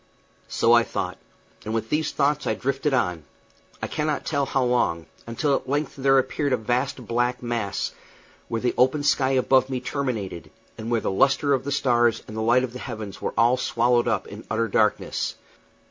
So I thought; and with these thoughts I drifted on, I cannot tell how long, until at length there appeared a vast black mass, where the open sky above me terminated, and where the lustre of the stars and the light of the heavens were all swallowed up in utter darkness.